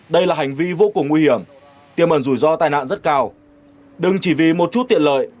đây là hành vi vô cùng nguy hiểm tiềm ẩn rủi ro tai nạn rất cao đừng chỉ vì một chút tiện lợi